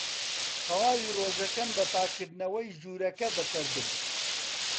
تەواوی ڕۆژەکەم بە پاککردنەوەی ژوورەکە بەسەر برد.